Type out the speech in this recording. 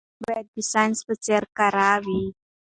تاريخ بايد د ساينس په څېر کره وي.